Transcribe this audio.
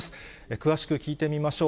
詳しく聞いてみましょう。